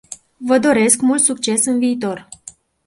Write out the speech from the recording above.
Vă doresc mult succes în viitor.